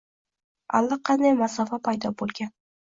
Allaqanday masofa paydo bo’lgan